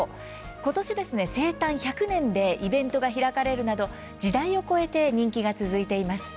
今年、生誕１００年でイベントが開かれるなど時代を超えて人気が続いています。